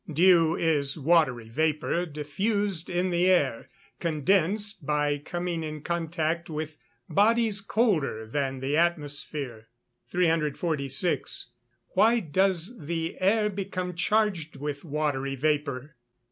_ Dew is watery vapour diffused in the air, condensed by coming in contact with bodies colder than the atmosphere. 346. _Why does the air become charged with watery vapour?